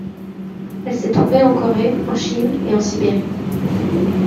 Elle est trouvée en Corée, en Chine et en Sibérie.